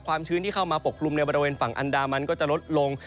ชื้นที่เข้ามาปกคลุมในบริเวณฝั่งอันดามันก็จะลดลง